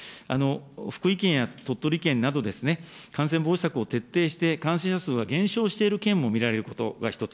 福井県や鳥取県など、感染防止策を徹底して、感染者数が減少している県も見られること、これが１つ。